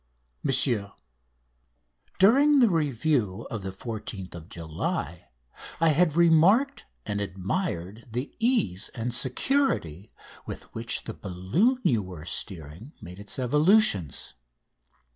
MONSIEUR, During the Review of the Fourteenth of July, I had remarked and admired the ease and security with which the balloon you were steering made its evolutions.